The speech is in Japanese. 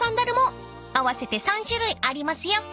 ［合わせて３種類ありますよ］